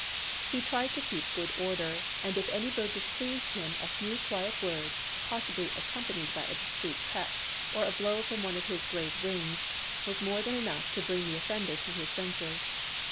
He liked to keep good order, and if any bird displeased him, a few quiet words, possibly accompanied by a discreet peck, or a blow from one of his great wings, was more than enough to bring the offender to his senses.